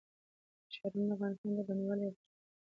ښارونه د افغانستان د بڼوالۍ یوه برخه ده.